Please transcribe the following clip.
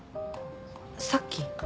さっき？